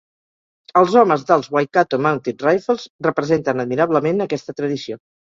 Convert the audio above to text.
Els homes dels Waikato Mounted Rifles representen admirablement aquesta tradició.